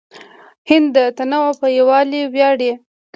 هند د تنوع په یووالي ویاړي.